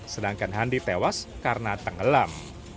sedangkan handi tewas karena tenggelam